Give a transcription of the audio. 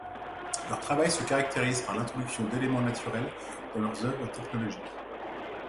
Leur travail se caractérise par l'introduction d'éléments naturels dans leurs œuvres technologiques.